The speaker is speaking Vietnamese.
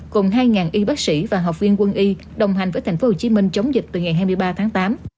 cùng hai y bác sĩ và học viên quân y đồng hành với tp hcm chống dịch từ ngày hai mươi ba tháng tám